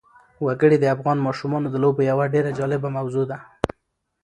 وګړي د افغان ماشومانو د لوبو یوه ډېره جالبه موضوع ده.